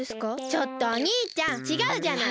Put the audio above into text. ちょっとおにいちゃんちがうじゃない！